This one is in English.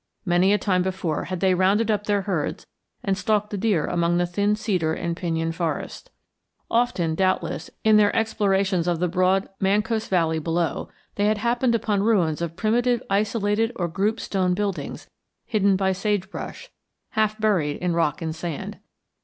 Many a time before had they rounded up their herds and stalked the deer among the thin cedar and pinyon forests. Often, doubtless, in their explorations of the broad Mancos Valley below, they had happened upon ruins of primitive isolated or grouped stone buildings hidden by sage brush, half buried in rock and sand.